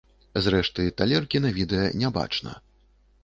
Зрэшты, талеркі на відэа не бачна.